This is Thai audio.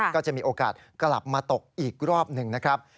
ก็จะมีโอกาสกลับมาตกอีกรอบหนึ่งนะครับ